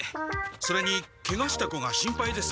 それにケガした子が心配です。